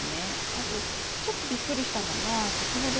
あと、ちょっとびっくりしたのが先ほど